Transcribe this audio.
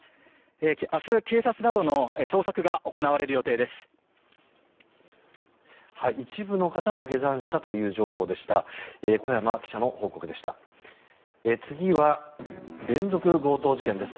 明日、警察などの捜索が行われる予定です。